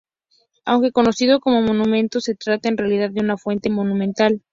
Aunque conocido como monumento, se trata en realidad de una fuente monumental.